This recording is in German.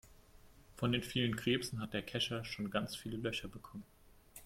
Von den vielen Krebsen hat der Kescher schon ganz viele Löcher bekommen.